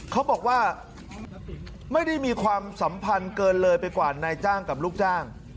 เขาบอกว่าไม่ได้มีความสัมพันธ์เกินเลยไปกว่านายจ้างกับลูกจ้าง